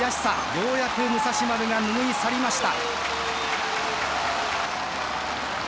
ようやく武蔵丸が拭い去りました。